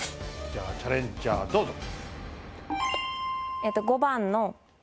じゃあチャレンジャーどうぞ。